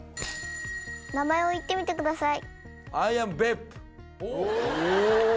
名前を言ってみてください。